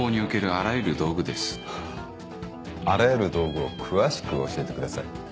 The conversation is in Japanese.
あらゆる道具を詳しく教えてください。